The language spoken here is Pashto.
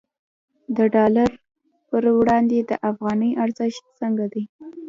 د ډالر پر وړاندې د افغانۍ ارزښت څنګه دی؟